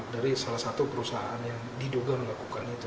dari salah satu perusahaan yang diduga melakukan itu